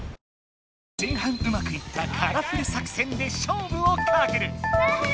前半うまくいったカラフル作戦でしょうぶをかける！